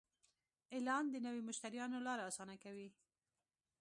اعلان د نوي مشتریانو لاره اسانه کوي.